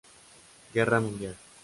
Guerra mundial.